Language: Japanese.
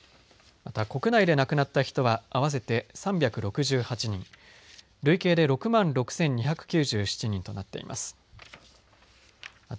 また国内で亡くなった人は合わせて３６８人累計で６万６２９７人となっています。